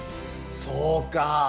そうか。